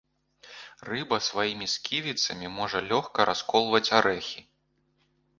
Рыба сваімі сківіцамі можа лёгка расколваць арэхі.